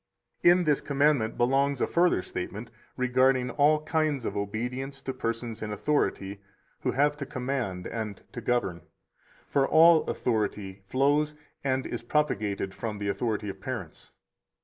141 In this commandment belongs a further statement regarding all kinds of obedience to persons in authority who have to command and to govern. For all authority flows and is propagated from the authority of parents.